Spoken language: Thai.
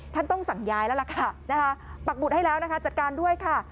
ต้องสั่งย้ายแล้วล่ะค่ะปักหุดให้แล้วนะคะจัดการด้วยค่ะ